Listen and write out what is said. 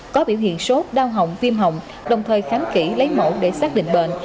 có biểu hiện sốt đau hỏng viêm hỏng đồng thời khám kỹ lấy mẫu để xác định bệnh